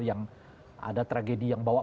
yang ada tragedi yang bawa